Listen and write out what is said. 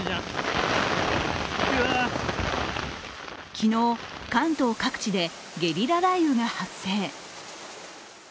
昨日、関東各地でゲリラ雷雨が発生。